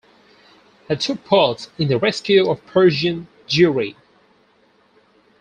He took part in the rescue of Persian Jewry.